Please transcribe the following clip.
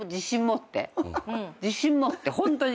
自信持ってホントに。